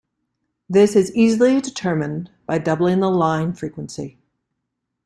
This is easily determined by doubling the line frequency.